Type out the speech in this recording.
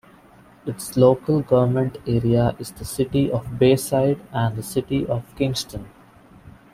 Its local government area is the City of Bayside and the City of Kingston.